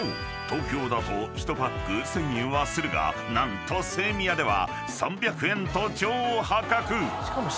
東京だと１パック１，０００円はするが何とセイミヤでは３００円と超破格］